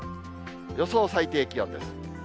予想最低気温です。